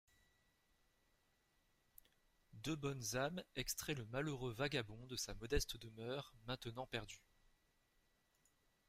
Deux bonnes âmes extraient le malheureux vagabond de sa modeste demeure maintenant perdue.